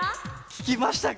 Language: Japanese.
ききましたか？